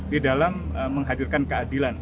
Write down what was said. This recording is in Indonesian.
di dalam menghadirkan keadilan